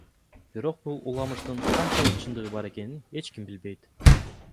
Бирок бул уламыштын канчалык чындыгы бар экенин эч ким билбейт.